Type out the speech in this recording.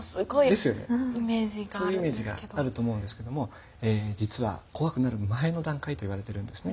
ですよねそういうイメージがあると思うんですけども実は怖くなる前の段階といわれているんですね。